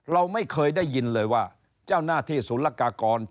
เราไม่เคยได้ยินเลยว่าเจ้าหน้าที่ศูนย์ละกากร